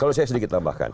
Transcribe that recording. kalau saya sedikit tambahkan